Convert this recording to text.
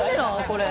これ。